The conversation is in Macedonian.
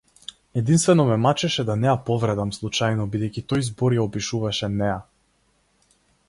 Единствено ме мачеше да не ја повредам случајно, бидејќи тој збор ја опишуваше неа.